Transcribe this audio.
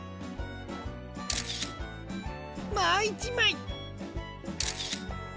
もう１まい！